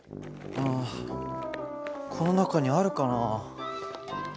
あこの中にあるかな？